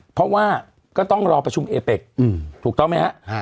เพราะว่าก็ต้องรอประชุมเอเป็กถูกต้องไหมฮะ